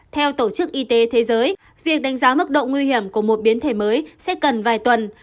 theo tổ chức y tế thế giới việc đánh giá mức độ nguy hiểm của một biến thể mới sẽ cần vài tuần